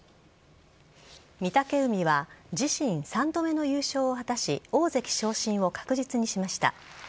御嶽海は自身３度目の優勝を果たし、大関昇進を確実にしました。